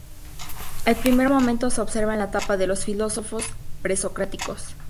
El primer momento se observa en la etapa de los filósofos presocráticos.